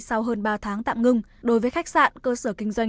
sau hơn ba tháng tạm ngừng đối với khách sạn cơ sở kinh doanh